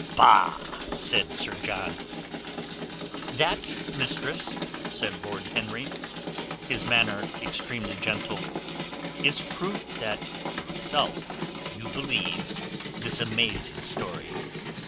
"Bah!" said Sir John. "That, mistress," said Lord Henry, his manner extremely gentle, "is proof that yourself you believe this amazing story.